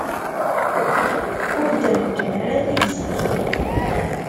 Ur d-reggem ara tigzi-w.